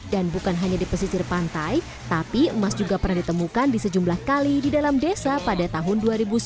dan bukan hanya di pesisir pantai tapi emas juga pernah ditemukan di sejumlah kali di dalam desa pada tahun dua ribu sembilan belas